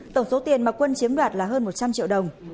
tổng số tiền mà quân chiếm đoạt là hơn một trăm linh triệu đồng